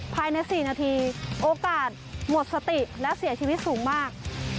ภายใน๔นาทีโอกาสหมดสติและเสียชีวิตสูงมาก